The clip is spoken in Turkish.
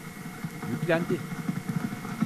Yüklendi.